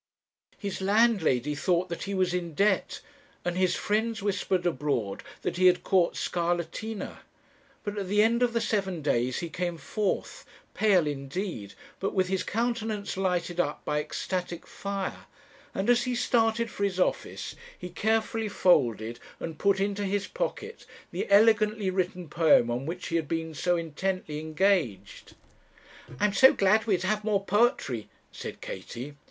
His landlady thought that he was in debt, and his friends whispered abroad that he had caught scarlatina. But at the end of the seven days he came forth, pale indeed, but with his countenance lighted up by ecstatic fire, and as he started for his office, he carefully folded and put into his pocket the elegantly written poem on which he had been so intently engaged." 'I'm so glad we are to have more poetry,' said Katie.